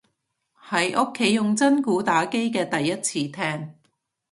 喺屋企用真鼓打機嘅第一次聽